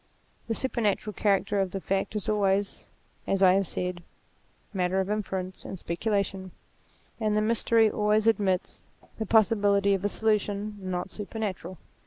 The supernatural character of the fact is always, as I have said, matter of inference and speculation : and the mystery always admits the possibility of a solution not supernatural.